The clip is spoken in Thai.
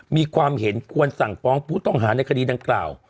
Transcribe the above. มีความเห็นควรสั่งฟ้องผู้ต้องหาในคดีดังกล่าว